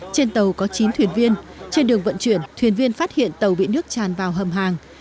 trên tàu có chín thuyền viên trên đường vận chuyển thuyền viên phát hiện tàu bị nước tràn vào hầm hàng